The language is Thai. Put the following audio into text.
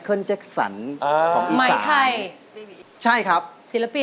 คุณวัสสุถ้าตอบถูกค่ะ